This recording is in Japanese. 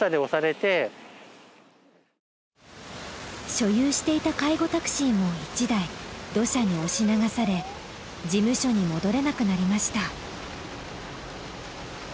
所有していた介護タクシーも１台土砂に押し流され事務所に戻れなくなりました。